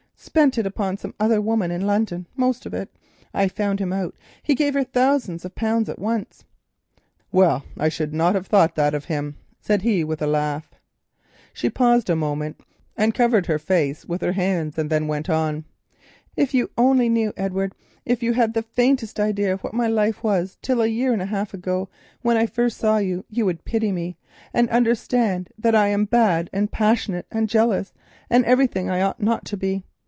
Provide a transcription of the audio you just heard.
"Spent it upon some other woman in London—most of it. I found him out; he gave her thousands of pounds at once." "Well, I should not have thought that he was so generous," he said with a laugh. She paused a moment and covered her face with her hand, and then went on: "If you only knew, Edward, if you had the faintest idea what my life was till a year and a half ago, when I first saw you, you would pity me and understand why I am bad, and passionate, and jealous, and everything that I ought not to be.